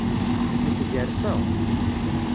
Nekk gerseɣ.